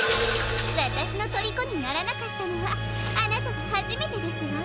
わたしのとりこにならなかったのはあなたがはじめてですわ。